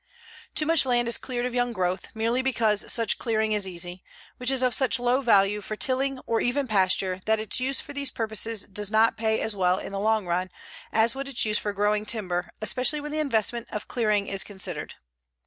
Too much land is cleared of young growth, merely because such clearing is easy, which is of such low value for tilling or even pasture that its use for these purposes does not pay as well in the long run as would its use for growing timber, especially when the investment of clearing is considered.